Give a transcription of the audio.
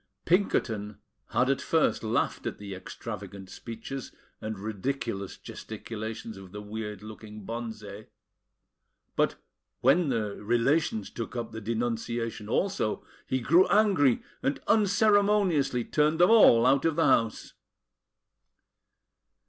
Pinkerton had at first laughed at the extravagant speeches and ridiculous gesticulations of the weird looking Bonze; but when the relations took up the denunciation also, he grew angry, and unceremoniously turned them all out of the house.